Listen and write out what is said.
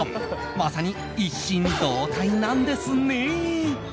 まさに一心同体なんですね。